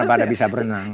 tapi bisa berenang